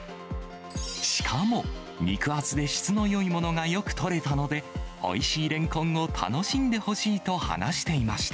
しかも、肉厚で質のよいものがよく取れたので、おいしいレンコンを楽しんでほしいと話していました。